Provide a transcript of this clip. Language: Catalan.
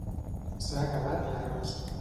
S'ha acabat l'arròs.